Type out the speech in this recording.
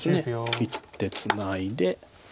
切ってツナいで。